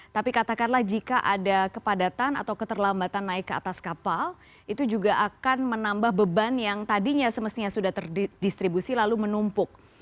tapi katakanlah jika ada kepadatan atau keterlambatan naik ke atas kapal itu juga akan menambah beban yang tadinya semestinya sudah terdistribusi lalu menumpuk